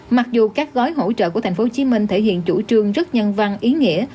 mặc dù các gói hỗ trợ của tp hcm thể hiện chủ trương rất nhân văn ý nghĩa